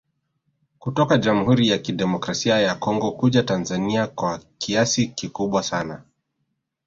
Kutoka jamhuri ya kidemokrasi ya Congo kuja Tanzania kwa kiasi kikubwa sana